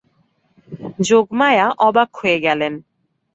যোগমায়া অবাক হয়ে গেলেন।